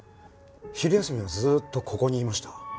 昼休みはずーっとここにいました。